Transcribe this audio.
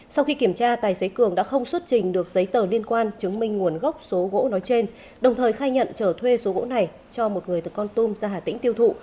sau khi kiểm tra tài xế cường đã không xuất trình được giấy tờ liên quan chứng minh nguồn gốc số gỗ nói trên đồng thời khai nhận trở thuê số gỗ này cho một người từ con tum ra hà tĩnh tiêu thụ